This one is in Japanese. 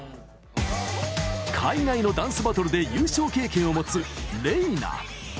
海外のダンスバトルで優勝経験を持つＲｅｉＮａ。